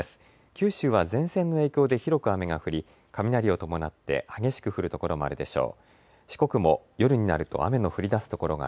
九州は前線の影響で広く雨が降り雷を伴って激しく降る所があるでしょう。